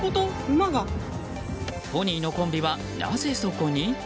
ポニーのコンビはなぜそこに？